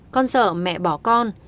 con sợ mẹ bỏ con